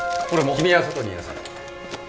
君は外にいなさい。